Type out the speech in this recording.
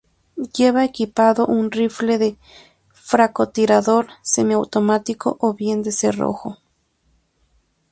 Lleva equipado un rifle de francotirador semi-automático o bien de cerrojo.